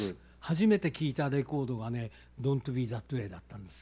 初めて聴いたレコードがね「Ｄｏｎ’ｔＢｅＴｈａｔＷａｙ」だったんですよ。